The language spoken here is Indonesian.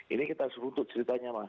ini kita harus runtut ceritanya mas